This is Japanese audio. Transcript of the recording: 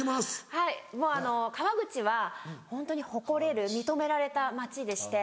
はい川口はホントに誇れる認められた街でして。